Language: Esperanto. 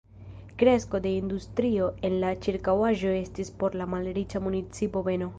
Kresko de industrio en la ĉirkaŭaĵo estis por la malriĉa municipo beno.